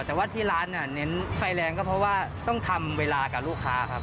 แต่ว่าที่ร้านเน้นไฟแรงก็เพราะว่าต้องทำเวลากับลูกค้าครับ